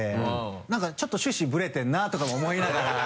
「何かちょっと趣旨ブレてんな」とか思いながら。